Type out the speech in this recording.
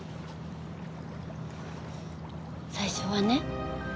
最初はね